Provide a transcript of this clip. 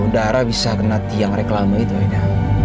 bagaimana bisa kena tiang reklama itu aida